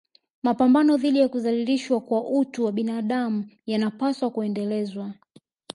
Mapambano dhidi ya kudhalilishwa kwa utu wa binadamu yanapaswa kuendelezwa